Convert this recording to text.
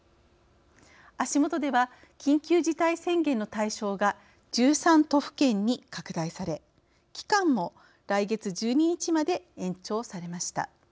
足元では緊急事態宣言の対象が１３都府県に拡大され期間も、来月１２日まで延長されました。